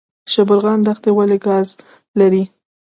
شبرغان دښتې ولې ګاز لري؟